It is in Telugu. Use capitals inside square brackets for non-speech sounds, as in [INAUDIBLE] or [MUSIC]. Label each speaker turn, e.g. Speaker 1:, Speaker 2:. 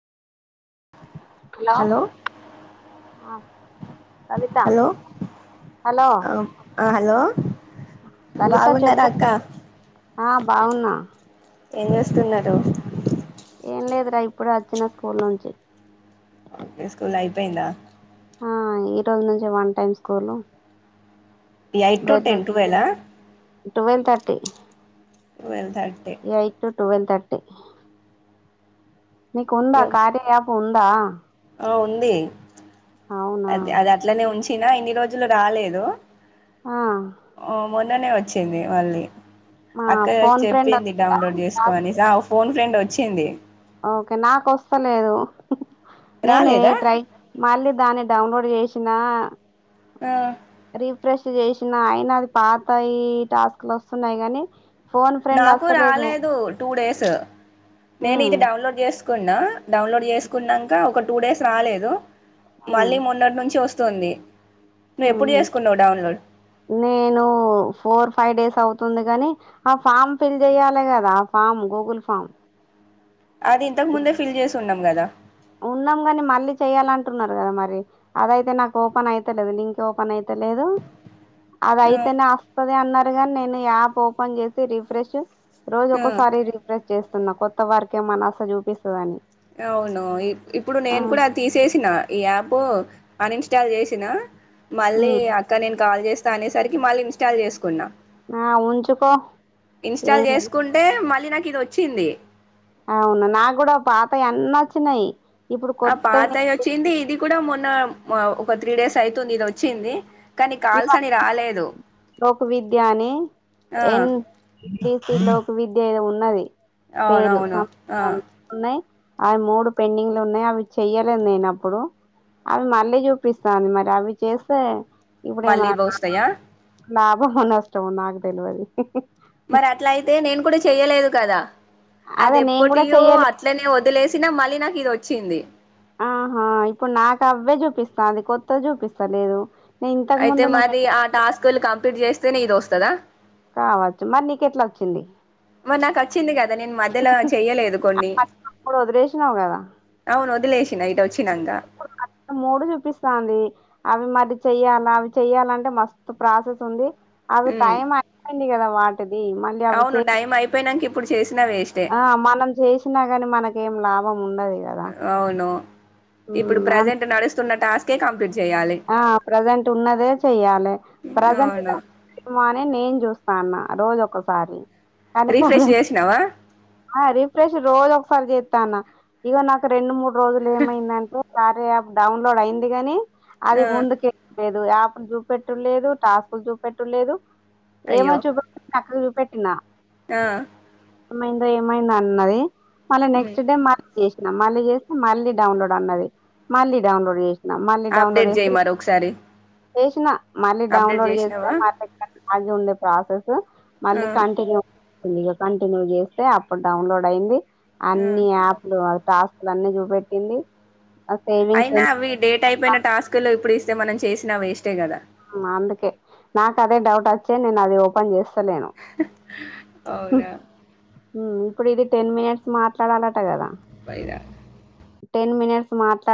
Speaker 1: హలో కవితా
Speaker 2: హలో
Speaker 1: హలో
Speaker 2: అ హలో
Speaker 1: లలిత
Speaker 2: వాగున్న రా
Speaker 1: చెప్పు
Speaker 2: అక్క
Speaker 1: ఆ బావున్నా
Speaker 2: ఏచేస్తున్నారు
Speaker 1: యేనలేదురా ఇప్పుడే అచ్చిన స్కూల్ నుంచి
Speaker 2: అప్పుడే స్కూలైపోయిందా
Speaker 1: ఆ ఈ రోజు నుంచి one time school
Speaker 2: eight to ten టువేలా
Speaker 1: టువెల్ తర్టీ
Speaker 2: వెల్ కరంటే
Speaker 1: టువెల్ తర్టీ నీకుందా కార్య యాప్ ఉంన్ సా
Speaker 2: ఆ ఉంది
Speaker 1: అవునా
Speaker 2: అది అది అట్లనే ఉంచిన ఇన్ని రోజు రోజులు రాలేదు
Speaker 1: ఆ
Speaker 2: అ మన్ అందనే వచ్చింది మళ్ళీ
Speaker 1: మా
Speaker 2: అక్క
Speaker 1: ఫోన్ ఫ్రెండ్
Speaker 2: చెప్పింది డౌన్లోడ్ చేసుకో అని ఫోన్ ఫ్రెండ్ వ వచ్చింది
Speaker 1: ఓకే నాకు ఒస్తలేదు నేను
Speaker 2: రాలేదా
Speaker 1: ట్రై మళ్ళీ దాన్ని డౌన్లోడ్ చేసినా
Speaker 2: ఆ
Speaker 1: రిఫ్రెష్ చేసిన ఆయన అది పాతయి టాస్క్ లు వస్తున్నాయి కాని
Speaker 2: నాకు రాలేదు టూ డేస్ నేను
Speaker 1: హ్మ్.
Speaker 2: ఇది డౌన్లోడ్ చేసుకున్నా డౌన్లోడ్ చేసుకున్నంక ఒక టూ డేస్ రాలేదు మళ్ళీ మొన్నటి నుంచి వస్ వస్తుంది నువ్వు
Speaker 1: అ
Speaker 2: ఎప్పుడు చేసుకున్నావు డౌన్లోడ్
Speaker 1: నేను ఫోర్ ఫైవ్ డేస్ అవు తుంది కాని ఆ ఫామ్ ఫిల్ చెయాలి కదా ఆ ఫామ్ గూగుల్ ఫామ్
Speaker 2: అది ఇంతకు ముందే ఫిల్ చేసి ఉన్నాం కదా
Speaker 1: ఉన్నాం కాని మళ్ళీ చెయాలంటున్నారు కదా మరి, అదయితే నాకు ఓపెన్ అయితేలేదు లింక్ ఓపెన్ అయితేలేదు.
Speaker 2: ఆ,
Speaker 1: అదియితేనే అస్తుది అన్నార్ ముందుగానే నేను యాప్ ఓపెన్ చేసి రిఫ్రెష్ రోజు
Speaker 2: ఆ,
Speaker 1: ఒక్కొసారి రిఫ్రె చేస్తున్నా కొత్త వారికేమనాస చూపిస్తుందని
Speaker 2: ఒ ఇప్పుడు నేను కూడా తీసేసిన ఈ యాప్ అనిన్స్టాల్ చేసినా మళ్ళీ
Speaker 1: హ్మ్.
Speaker 2: అక్క నేను కాల్ చేసి త అనేసరికి
Speaker 1: ఆ! ఉంచుకో.
Speaker 2: ఇన్స్టాల్
Speaker 1: ఏం గాదు.
Speaker 2: చేసుకుంటే మళ్ళీ న ఇది వచ్చింది
Speaker 1: అవును నాకు కూడా పాత ఎన్న వచ్చినాయి
Speaker 2: ఆ పాతాయ వచ్చింది ఇది కూడా మొన్ ఒక త్రీ డేస్ అయితుంది ఇది వచ్చింది కానీ
Speaker 1: ఈ
Speaker 2: కాల్స్ అని రాలేదు
Speaker 1: లోక్ విద్యా అని ఎన్ డీసీ లోక్ విద్య ఏదో ఉన్నది పేరు
Speaker 2: అవునవును
Speaker 1: సం
Speaker 2: ఆ
Speaker 1: ఉన్నాయి అవి మూడు పెండింగ్లు ఉన్నాయి. అవి చెయ్యలేదు నేన్ అప్పుడు, అవి మళ్ళీ చూపిస్తాంది మరి అవి చేస్తే
Speaker 2: మళ్ళీ వోస్తాయా
Speaker 1: లాభము నష్టము నాకు తెలివది
Speaker 2: మరి అట్ల అయితే నేను కూడా చెయ్యలేదు కద
Speaker 1: అదే
Speaker 2: అది
Speaker 1: నేను కూడా
Speaker 2: ఎప్పటివో
Speaker 1: చెయ్యలే
Speaker 2: అట్లనే వదిలేసి చిన మళ్ళీ నాకు ఇది వచ్చింది
Speaker 1: ఆహా ఇప్పుడు నాకు అవ్వే చూపిస్తా అది కొత్తది చూపిస్తా లేదు
Speaker 2: అయితే మాది ఆ టాస్కు కంప్లీట్ చేస్ తేనె ఈ దోస్తదా
Speaker 1: కావచ్చు మరి నీకెట్లా వచ్చింది
Speaker 2: మరి నాకు వచ్చింది కదా, నేను మధ్యలో చెయ్యలేదు కొన్ని
Speaker 1: అప్పుడు వదిలేసినావు కదా
Speaker 2: అవును వదిలేసి [UNINTELLIGIBLE]
Speaker 1: మూడు చూపిస్తుంది అవి మరి చెయ్యాలా అవి చెయ్యాలంటే మస్తు ప్రాసెస్ ఉంది అవి
Speaker 2: ఉమ్
Speaker 1: టైం అంటే డి కదా వాట్
Speaker 2: అవును టైమ్ అయిపోయినాంక ఇప్ పుడు చేసి
Speaker 1: ఆ మనం చేసినా కాని మనకి ఏం లాభం ఉండదు కదా
Speaker 2: అవును ఇప్పుడు
Speaker 1: ఉమ్ అన్-
Speaker 2: ప్రజెంట్ నడుస్ తున్న టాస్కే కంప్లీట్ చేయాలి
Speaker 1: ఆ ప్రజెంట్ ఉన్నదే చెయ్యాలి ప్రజెంట్
Speaker 2: అవును
Speaker 1: [UNINTELLIGIBLE] అని నేను చూస్ స్తాన్న రోజు ఒకసారి కానీ ప్రజెంట్
Speaker 2: రిఫ్రెష్ చేసినావా
Speaker 1: ఆ రిఫ్రెష్ రోజు ఒకసారి చేత్తాన్న ఇగ నాకు రెండు మూడు రోజులు ఏమైందనుకో కార్య యాప్ డౌన్లోడ్ అయింది గాని
Speaker 2: ఆ
Speaker 1: అది ముందుకే ఎక్స్‌పేర్ యాపులు చూపెట్లేదు టాస్కులు చూపెట్టలేదు ఏమో
Speaker 2: అయ్యో
Speaker 1: చూపకు చక్కగ చూ పెట్టినా
Speaker 2: ఆ
Speaker 1: మై ఏమైందన్నది మళ్ళ
Speaker 2: ఉమ్
Speaker 1: నెక్స్ట్ డే మాకు చే మళ్ళీ చేస్తే మళ్లీ డౌన్లోడ్ అన్నది మళ్లీ డౌన్లోడ్ చే
Speaker 2: అప్డేట్ చేయి మరి ఒకసారి
Speaker 1: చేసినా మళ్ళీ
Speaker 2: అప్డేట్
Speaker 1: డౌన్లోడ్ చేస్తే
Speaker 2: చేసినావా
Speaker 1: మల్లెక్క అయి ఉండే ప్రాసెస్ స్
Speaker 2: ఆ
Speaker 1: మళ్ళీ కంటిన్యూ [UNINTELLIGIBLE] ఇగ కంటిన్యూ తే అప్పుడ్ డౌన్లోడ్ అయింది.
Speaker 2: ఆ
Speaker 1: అన్ని యాప్లు టాస్క్ లు అన్ని చూపెట్టింది ఆ సేవింగ్స్
Speaker 2: అయినా
Speaker 1: ఎంత
Speaker 2: అవి డేట్
Speaker 1: పెడతాం,
Speaker 2: అయిపోయిన టాస్క్లు ఇప్పుడు ఇస్ అయితే మనం చేసిన వేస్టే కదా
Speaker 1: ఆ అందుకే నాకదే డౌట్ అచ్చే నేన్ అది ఓపెన్ చేస్
Speaker 2: అవునా
Speaker 1: మ్ ఇప్పుడు ఇది టెన్ మినిట్స్ మాట్లాడాలట కదా
Speaker 2: పైనా
Speaker 1: టెన్ మినిట్స్ మాట్లాడ్